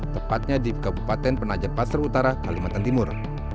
tepatnya di kabupaten penajam pasar utara kalimantan timur